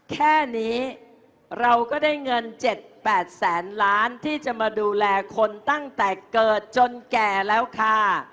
แค่นี้เราก็ได้เงิน๗๘แสนล้านที่จะมาดูแลคนตั้งแต่เกิดจนแก่แล้วค่ะ